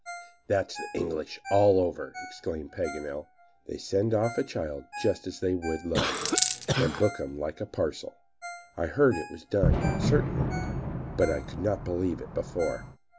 "That's the English all over!" exclaimed Paganel. "They send off a child just as they would luggage, and book him like a parcel. I heard it was done, certainly; but I could not believe it before."